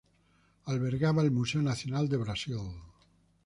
Albergaba el Museo Nacional de Brasil.